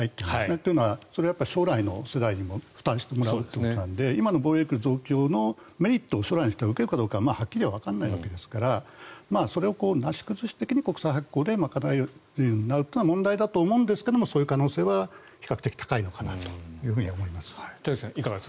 というのはそれは将来の世代にも負担してもらうということなので今の防衛力増強のメリットを将来の人が受けるかどうかははっきりわからないわけですからそれを、なし崩し的に国債発行で賄えるというになるのは問題だと思うんですがそういう可能性は比較的高いのかなと思います。